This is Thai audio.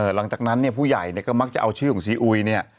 หลังจากนั้นผู้ใหญ่ก็มักจะเอาชื่อของซีอุย